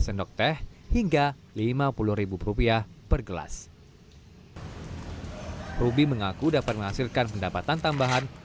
sendok teh hingga lima puluh rupiah per gelas ruby mengaku dapat menghasilkan pendapatan tambahan